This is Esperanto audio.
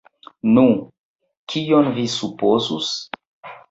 Nu, kion vi supozus?!